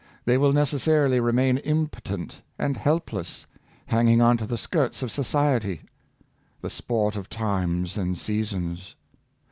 They will necessarily re main impotent and helpless, hanging on to the skirts of The Use of Mo?iey. 377 society, the sport of times and seasons.